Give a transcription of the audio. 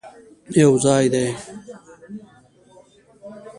یوځای دې،